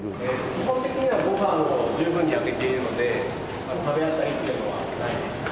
基本的にはご飯を十分にあげているので食べ合ったりっていうのはないですね。